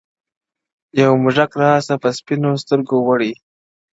یو موږک را څه په سپینو سترګو وړی,